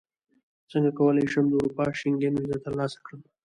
څنګه کولی شم د اروپا شینګن ویزه ترلاسه کړم